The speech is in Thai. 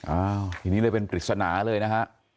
อ้าวอันนี้เลยเป็นปริศนาเลยนะครับ